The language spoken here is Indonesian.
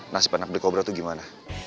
nasib anak beli kobra tuh gimana